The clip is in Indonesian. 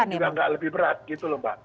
kepenggunaan juga tidak lebih berat gitu lho mbak